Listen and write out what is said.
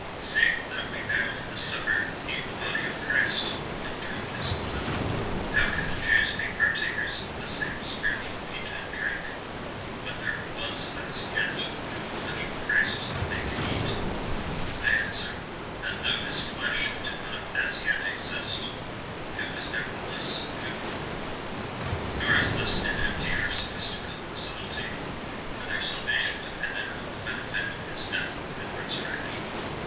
" Seeing that we now in the Supper eat the body of Christ, and drink his blood, how could the Jews be partakers of the same spiritual meat and drink, when there was as yet no flesh of Christ that they could eat V I answer, that though his flesh did not as yet exist, it was, nevertheless, food for them. Nor is this an empty or sophistical subtilty, for their salvation depended on the benefit of his death and resurrection.